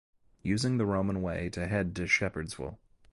Using the Roman Way to head to Shepherdswell.